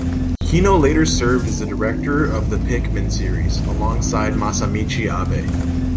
Hino later served as the director of the "Pikmin" series, alongside Masamichi Abe.